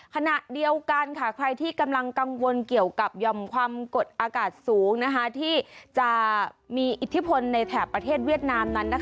ขณะเดียวกันใครที่กำลังกังวลเกี่ยวกับหย่อมความกดอากาศสูงที่จะมีอิทธิพลในแถบประเทศเวียดนามนั้น